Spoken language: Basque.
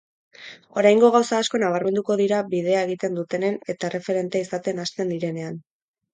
Oraingo gauza asko nabarmenduko dira bidea egiten dutenean eta erreferente izaten hasten direnean.